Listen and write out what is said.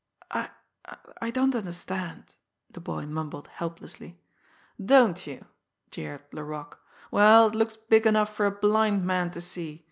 "I I don't understand," the boy mumbled helplessly. "Don't you!" jeered Laroque. "Well, it looks big enough for a blind man to see!